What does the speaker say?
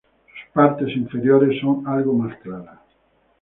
Sus partes inferiores son algo más claras.